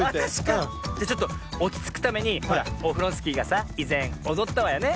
じゃちょっとおちつくためにほらオフロンスキーがさいぜんおどったわよね。